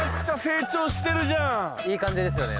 いい感じですよね。